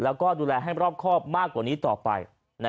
แล้วก็ดูแลให้รอบครอบมากกว่านี้ต่อไป